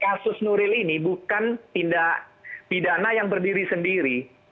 kasus nuril ini bukan tindak pidana yang berdiri sendiri